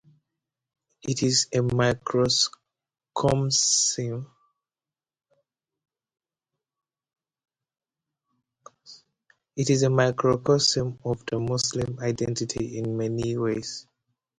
It is a microcosm of the Muslim identity in many ways.